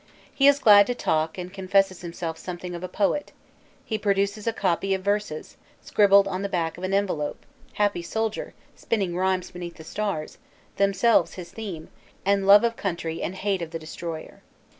He is glad to talk and confesses himself something of a poet; he produces a copy of verses, scribbled on the back of an envelope happy soldier, spinning rhymes beneath the stars, 96 FRENCH SCENES 97 themselves his theme, and love of country and hate of the destroyer